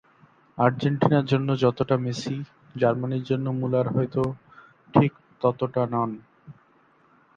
আর্জেন্টিনার জন্য যতটা মেসি, জার্মানির জন্য মুলার হয়তো ঠিক ততটা নন।